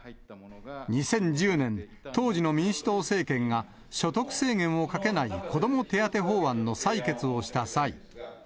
２０１０年、当時の民主党政権が所得制限をかけない子ども手当法案の裁決をした際。